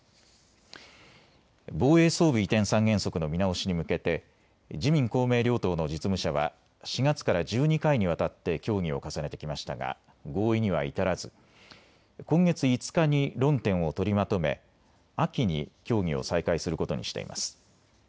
防衛装備移転三原則の見直しに向けて自民公明両党の実務者は４月から１２回にわたって協議を重ねてきましたが合意には至らず、今月５日に論点を取りまとめ秋に協議を再開することにしています。